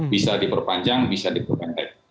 bisa diperpanjang bisa diperbentak